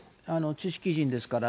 知識人ですから。